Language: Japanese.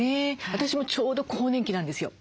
私もちょうど更年期なんですよ。